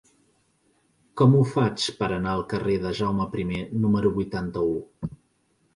Com ho faig per anar al carrer de Jaume I número vuitanta-u?